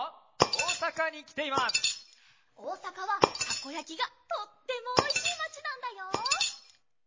おおさかはたこやきがとってもおいしいまちなんだよ。